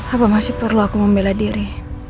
apa masih perlu aku membela diri